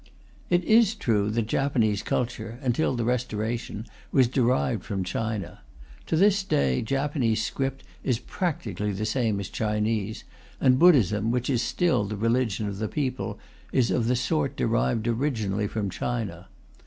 It is true that Japanese culture, until the Restoration, was derived from China. To this day, Japanese script is practically the same as Chinese, and Buddhism, which is still the religion of the people, is of the sort derived originally from China.